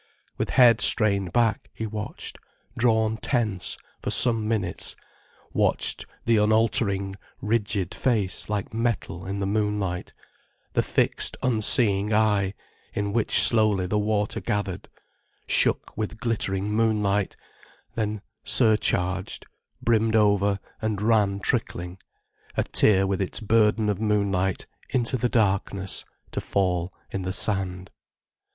With head strained back, he watched, drawn tense, for some minutes, watched the unaltering, rigid face like metal in the moonlight, the fixed, unseeing eye, in which slowly the water gathered, shook with glittering moonlight, then surcharged, brimmed over and ran trickling, a tear with its burden of moonlight, into the darkness, to fall in the sand.